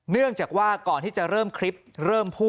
เนื่องจากว่าก่อนที่จะเริ่มคลิป